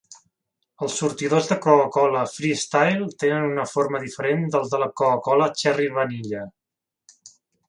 Els sortidors de Coca-Cola Freestyle tenen una forma diferent dels de la Coca-Cola Cherry Vanilla.